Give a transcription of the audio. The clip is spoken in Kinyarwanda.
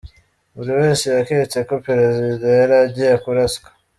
Buri wese yaketse ko Perezida yari agiye kuraswa.